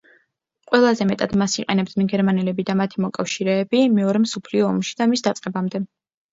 ყველაზე მეტად მას იყენებდნენ გერმანელები და მათი მოკავშირეები, მეორე მსოფლიო ომში და მის დაწყებამდე.